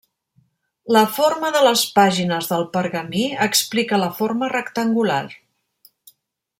La forma de les pàgines del pergamí explica la forma rectangular.